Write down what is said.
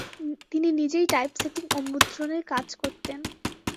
তিনি নিজেই টাইপসেটিং ও মুদ্রণের কাজ করতেন।